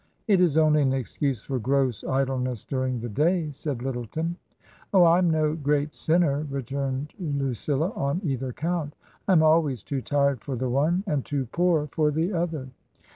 It is only an excuse for gross idleness during the day, said Lyttleton. •*Oh, Fm no great sinner," returned Lucilla, "on either count I am always too tired for the one and too poor for the other."